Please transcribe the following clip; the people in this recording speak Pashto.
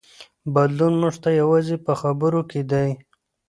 بدلون موږ ته یوازې په خبرو کې دی.